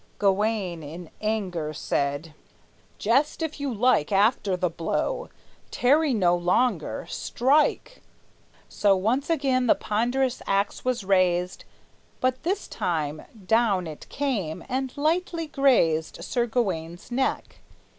Gawayne, in anger, said: "Jest, if you like, After the blow; tarry no longer; strike!" So once again the ponderous axe was raised; But this time down it came, and lightly grazed Sir Gawayne's neck.